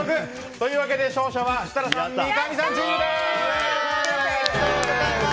というわけで、勝者は設楽さん、三上さんチームです！おめでとうございます！